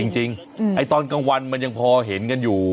จริงตอนกลางวันมันยังพอเห็นกันอยู่